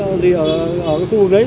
ở cái khu vực đấy